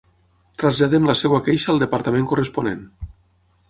Traslladem la seva queixa al departament corresponent.